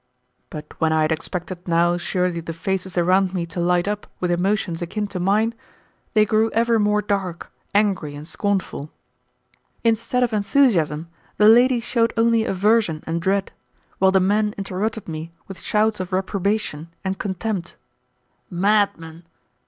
But when I had expected now surely the faces around me to light up with emotions akin to mine, they grew ever more dark, angry, and scornful. Instead of enthusiasm, the ladies showed only aversion and dread, while the men interrupted me with shouts of reprobation and contempt. "Madman!"